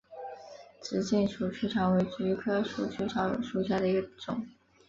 直茎鼠曲草为菊科鼠曲草属下的一个种。